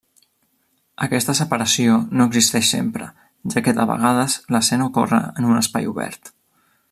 Aquesta separació no existeix sempre, ja que de vegades l'escena ocorre en un espai obert.